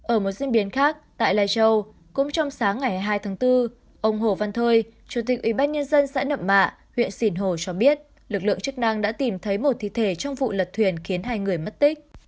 ở một diễn biến khác tại lai châu cũng trong sáng ngày hai tháng bốn ông hồ văn thơi chủ tịch ubnd xã nậm mạ huyện sìn hồ cho biết lực lượng chức năng đã tìm thấy một thi thể trong vụ lật thuyền khiến hai người mất tích